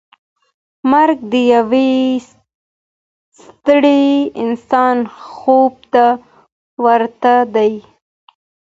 مرګ د یو ستړي انسان خوب ته ورته دی.